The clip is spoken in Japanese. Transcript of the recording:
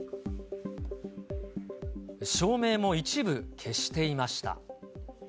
照明も一部消していました。